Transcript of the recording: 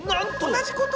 同じこと？